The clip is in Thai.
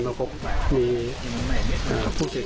อันดับที่สุดท้าย